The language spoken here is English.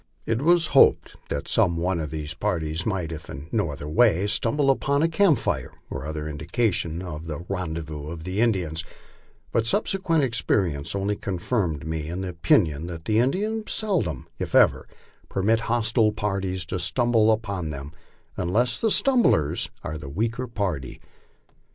It was hoped that some one of these parties might, if in ho other way, stumble upon a camp fire or other indication of the rendezvous of the Indians; but subsequent experience only confirmed me in the opinion that Indians seldom, if ever, permit hostile parties to stumble upon them unless the stumblers are the weaker par ty.